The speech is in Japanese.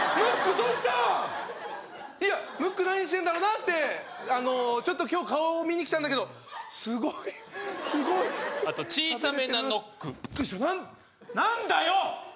いやムック何してんだろうなってちょっと今日顔を見にきたんだけどすごいすごいあと小さめなノックびっくりしたななんだよ？